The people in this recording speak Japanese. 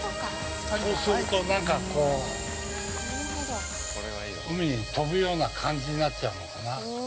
そうすると、なんかこう海に飛ぶような感じになっちゃうのかな。